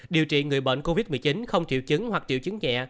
điều trị người bệnh covid một mươi chín không triệu chứng hoặc triệu chứng nhẹ